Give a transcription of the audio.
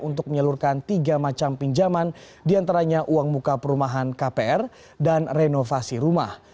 untuk menyalurkan tiga macam pinjaman diantaranya uang muka perumahan kpr dan renovasi rumah